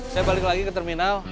saya balik lagi ke terminal